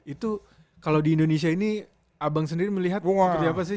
itu kalau di indonesia ini abang sendiri melihat seperti apa sih